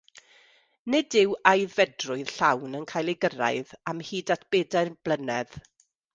Nid yw aeddfedrwydd llawn yn cael ei gyrraedd am hyd at bedair blynedd.